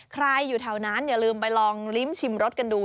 อยู่แถวนั้นอย่าลืมไปลองลิ้มชิมรสกันดู